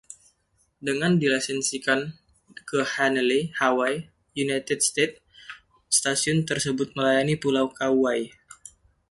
Dengan dilisensikan ke Hanalei, Hawaii, United States, stasiun tersebut melayani pulau Kauai.